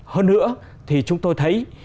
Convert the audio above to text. hơn nữa thì chúng tôi thấy